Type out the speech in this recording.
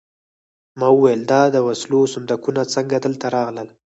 ما وویل دا د وسلو صندوقونه څنګه دلته راغلل